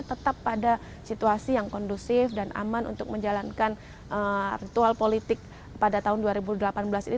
tetap pada situasi yang kondusif dan aman untuk menjalankan ritual politik pada tahun dua ribu delapan belas ini